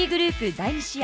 第２試合。